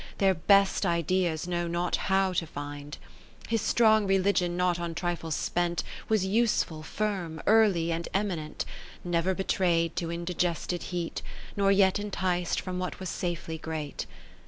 Their best ideas know not how to find. His strong Religion not on trifles spent. Was useful, firm, early, and eminent, Never betray'd to indigested heat, Nor yet entic'd from what was safely great.